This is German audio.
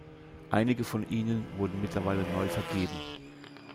Einige von ihnen wurden mittlerweile neu vergeben.